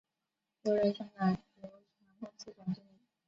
又任香港邮船公司总经理。